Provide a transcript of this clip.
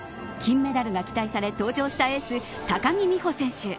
金メダルが期待され登場したエース高木美帆選手。